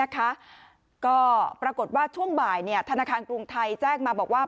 ก็ปรากฏว่าช่วงบ่ายธนาคารกรุงไทยแจ้งมาบอกว่า